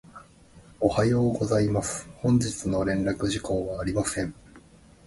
おはようございます。本日の連絡事項はありません。